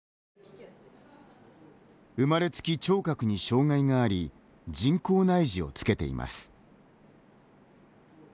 生まれつき聴覚に障害があり人工内耳をつけています。